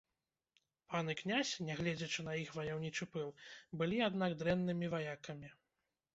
Пан і князь, нягледзячы на іх ваяўнічы пыл, былі, аднак, дрэннымі ваякамі.